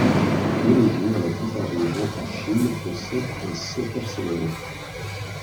De nos jours, la plupart des gens en Chine possèdent un sceau personnel.